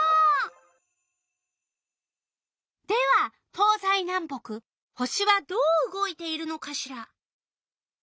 では東西南北星はどう動いているのかしら？